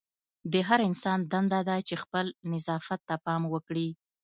د هر انسان دنده ده چې خپل نظافت ته پام وکړي.